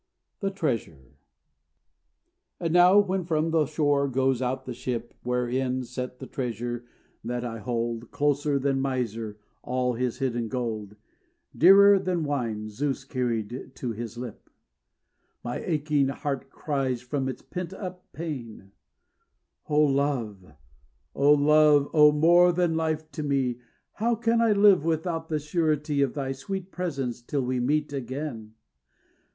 THE TREASURE And now when from the shore goes out the ship Wherein is set the treasure that I hold Closer than miser all his hidden gold, Dearer than wine Zeus carried to his lip; My aching heart cries from its pent up pain, "O Love, O Life, O more than life to me, How can I live without the surety Of thy sweet presence till we meet again!"